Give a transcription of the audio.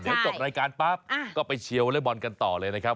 เดี๋ยวจบรายการปั๊บก็ไปเชียวอเล็กบอลกันต่อเลยนะครับ